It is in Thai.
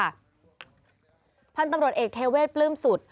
พันธุ์ตำรวจเอกเทเวศปลื้มสุด